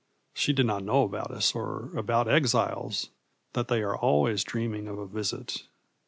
She did not know about us, or about exiles that they are always dreaming of a Visit.